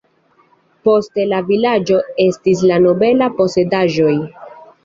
Poste la vilaĝo estis la nobela posedaĵo.